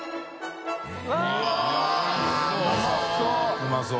うまそう。